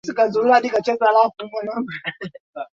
virusi vya homa ya ini vinaweza kishi kwa muda wa siku saba